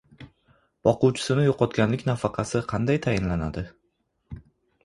Boquvchisini yo`qotganlik nafaqasi qanday tayinlanadi?